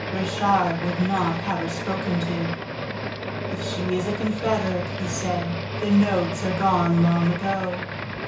Richard would not have her spoken to. "If she is a confederate," he said, "the notes are gone long ago.